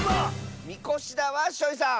みこしだワッショイさん！